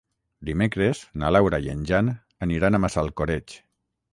Dimecres na Laura i en Jan aniran a Massalcoreig.